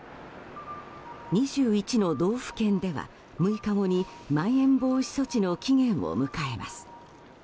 ２１の道府県では６日後にまん延防止措置の期限を迎えます。